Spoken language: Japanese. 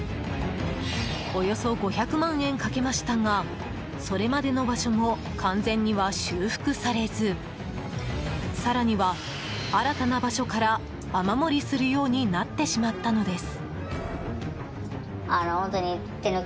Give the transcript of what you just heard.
およそ５００万円かけましたがそれまでの場所も完全には修復されず更には新たな場所から雨漏りするようになってしまったのです。